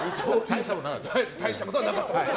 大したことはなかったです。